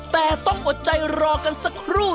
แต่ต้องอดใจรอกันสักครู่